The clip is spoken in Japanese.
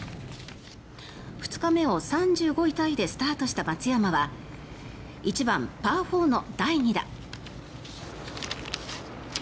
２日目を３５位タイでスタートした松山は１番、パー４の第２打。